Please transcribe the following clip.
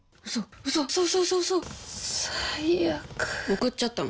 送っちゃったの。